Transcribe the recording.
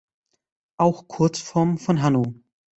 Auch Kurzform von Hanno.